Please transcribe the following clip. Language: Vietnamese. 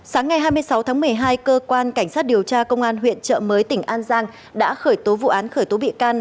sáng ngày hai mươi sáu tháng một mươi hai cơ quan cảnh sát điều tra công an huyện trợ mới tỉnh an giang đã khởi tố vụ án khởi tố bị can